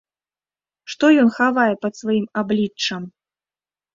Што ён хавае пад сваім абліччам?